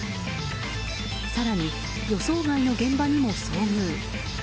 更に、予想外の現場にも遭遇。